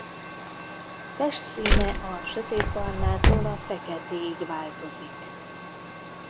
Testszíne a sötét barnától a feketéig változik.